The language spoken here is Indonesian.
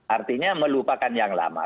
artinya melupakan yang lama